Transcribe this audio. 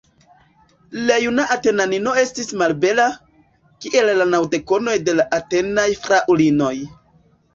La juna Atenanino estis malbela, kiel la naŭ dekonoj de la Atenaj fraŭlinoj.